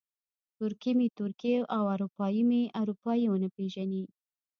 ترکي مې ترکي او اروپایي مې اروپایي ونه پېژني.